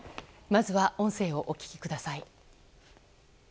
まずは音声をお聞きください。